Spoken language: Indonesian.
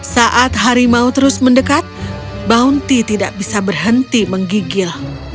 saat harimau terus mendekat bounty tidak bisa berhenti menggigil